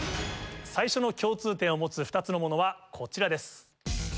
最初の共通点を持つ２つのものはこちらです。